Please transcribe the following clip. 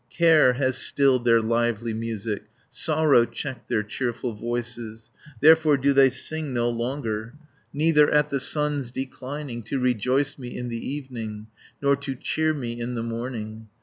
Care has stilled their lively music, Sorrow checked their cheerful voices, Therefore do they sing no longer, Neither at the sun's declining, To rejoice me in the evening, Nor to cheer me in the morning.